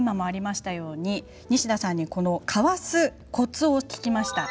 西田さんにかわすコツを聞きました。